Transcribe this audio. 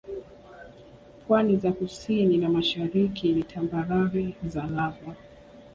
Pwani za kusini na mashariki ni tambarare za Lava